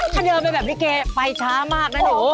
ขนเดินไปแบบพี่เกไปช้ามากนะหนู